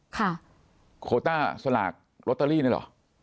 โคต้าสลากลอตเตอรี่นี่เหรอ